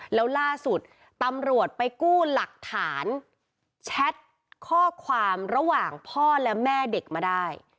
แล้วล่าสุดตำรวจไปกู้หลักฐานแชทข้อความระหว่างพ่อและแม่เด็กมาได้